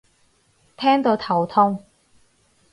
聽到頭痛